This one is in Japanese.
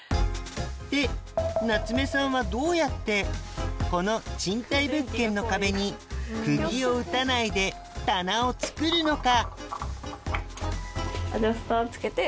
でなつめさんはどうやってこの賃貸物件の壁にクギを打たないで棚を作るのか？